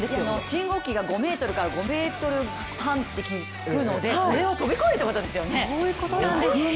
信号機が５ｍから５ｍ半と聞くのでそれをとび越えるということですよね。